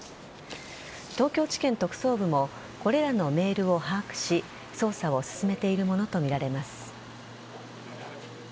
東京地検特捜部もこれらのメールを把握し捜査を進めているものとみられます。